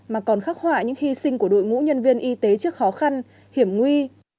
mà còn khắc họa những hy sinh của đội ngũ nhân viên y tế trước khó khăn hiểm nguy